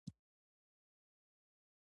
رساله د عربي ژبي ټکی دﺉ.